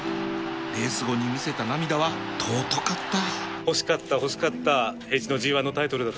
レース後に見せた涙は尊かった